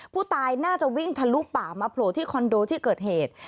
ผู้ตายน่าจะวิ่งทะลุป่ามาโผล่ที่คอนโดที่เกิดเหตุ